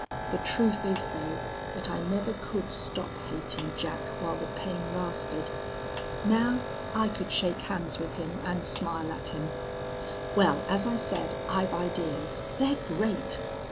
The truth is, though, that I never could stop hating Jack while the pain lasted. Now I could shake hands with him and smile at him. "Well, as I said, I've ideas. They're great.